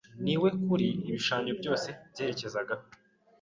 ni we kuri ibishushanyo byose byerekezagaho.